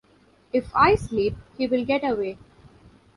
If I sleep — he will get away.